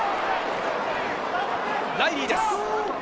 ライリーです。